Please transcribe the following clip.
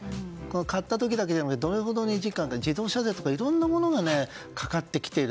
買った時だけじゃなくて自動車税とかいろんなものがかかってきている